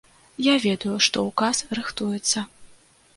Я ведаю, што ўказ рыхтуецца.